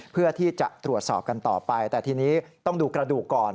เพื่อที่จะตรวจสอบกันต่อไปแต่ทีนี้ต้องดูกระดูกก่อน